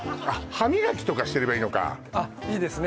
歯みがきとかしてればいいのかあっいいですね